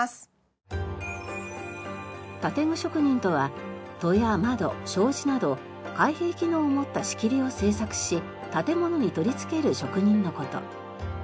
建具職人とは戸や窓障子など開閉機能を持った仕切りを製作し建物に取り付ける職人の事。